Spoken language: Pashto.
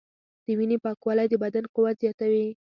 د وینې پاکوالی د بدن قوت زیاتوي.